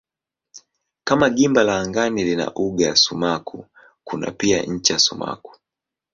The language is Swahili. Kama gimba la angani lina uga sumaku kuna pia ncha sumaku.